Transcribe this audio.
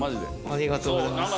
ありがとうございます。